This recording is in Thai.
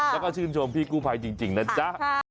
แล้วก็ชื่นชมพี่กู้ภัยจริงนะจ๊ะ